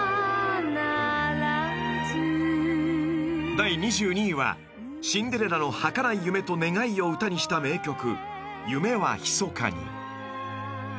［第２２位はシンデレラのはかない夢と願いを歌にした名曲『夢はひそかに』］